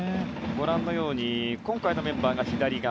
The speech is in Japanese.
ご覧のように今回のメンバーが左側。